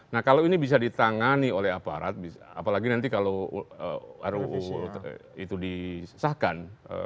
nah kalau ini bisa ditangani oleh aparat apalagi nanti kalau ruu itu disahkan